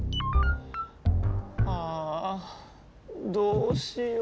ああどうしよう。